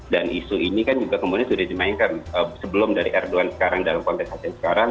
dan isu ini kan juga kemudian sudah dimainkan sebelum dari erdogan sekarang dalam konteks asean sekarang